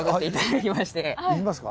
行きますか。